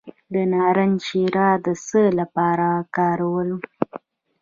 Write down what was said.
د نارنج شیره د څه لپاره وکاروم؟